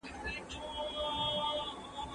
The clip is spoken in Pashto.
دا خطر به قبلوي چي محوه کیږي